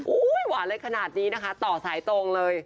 โอ้ยหวานอะไรขนาดนี้นะคะต่อสายตรงเลย